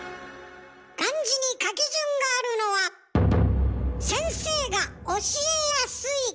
漢字に書き順があるのは先生が教えやすいから。